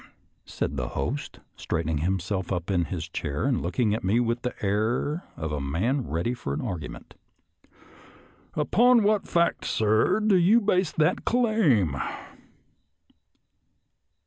" said the host, straightening himself up in his chair and looking at me with the air of a man ready for an argument. " Upon what fact, sir, do you base that claim.?